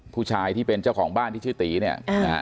ผู้ชายที่เป็นเจ้าของบ้านที่ชื่อตีเนี่ยนะฮะ